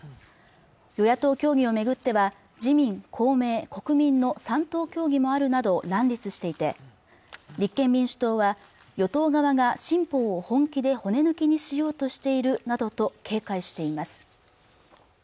与野党協議をめぐっては自民・公明・国民の３党協議もあるなど乱立していて立憲民主党は与党側が新法を本気で骨抜きにしようとしているなどと警戒しています